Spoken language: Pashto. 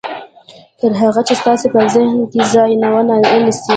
تر هغه چې ستاسې په ذهن کې ځای ونيسي.